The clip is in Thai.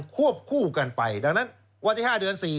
วบคู่กันไปดังนั้นวันที่๕เดือน๔